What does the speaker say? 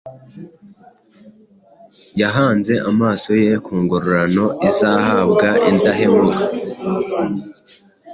Yahanze amaso ye ku ngororano izahabwa indahemuka,